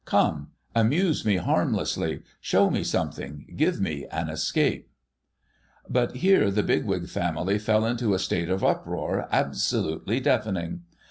Come ! Amuse me harmlessly, show me something, give me an escape !' But, here the Bigwig family fell into a state of uproar absolutely deafening.